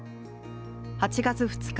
８月２日